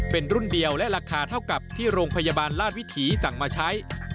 เป็นรุ่นเดียวและราคาเท่ากับที่โรงพยาบาลราชวิถีสั่งมาใช้